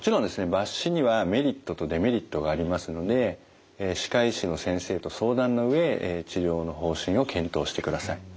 抜歯にはメリットとデメリットがありますので歯科医師の先生と相談のうえ治療の方針を検討してください。